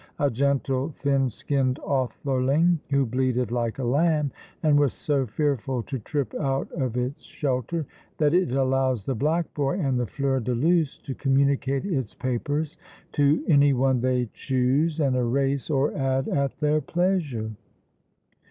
a gentle, thin skinned authorling, who bleated like a lamb, and was so fearful to trip out of its shelter, that it allows the Black Boy and the Fleur de Luce to communicate its papers to any one they choose, and erase or add at their pleasure.